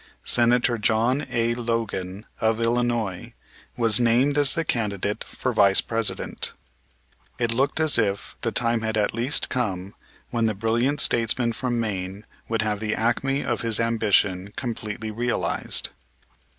Senator John A. Logan, of Illinois, was named as the candidate for Vice President. It looked as if the time had at last come when the brilliant statesman from Maine would have the acme of his ambition completely realized.